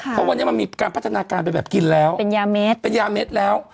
เพราะวันนี้มันมีการพัฒนาการไปแบบกินแล้วเป็นยาเม็ดเป็นยาเม็ดแล้ว